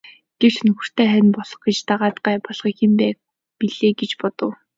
Гэвч нөхөртөө хань болох гэж дагаад гай болохыг хэн байг гэх билээ гэж бодов.